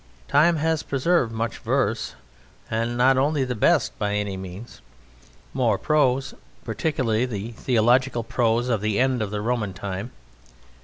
Time has preserved much verse, and not only the best by any means, more prose, particularly the theological prose of the end of the Roman time.